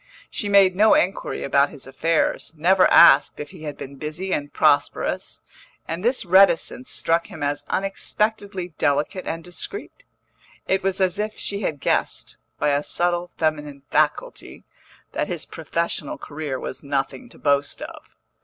She made no inquiry about his affairs, never asked if he had been busy and prosperous; and this reticence struck him as unexpectedly delicate and discreet; it was as if she had guessed, by a subtle feminine faculty, that his professional career was nothing to boast of.